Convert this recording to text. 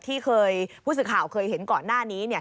ที่เคยผู้สื่อข่าวเคยเห็นก่อนหน้านี้